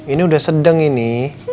ini udah sedang ini